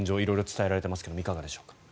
色々伝えられていますがいかがでしょうか。